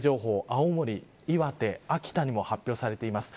青森、岩手、秋田にも発表されています。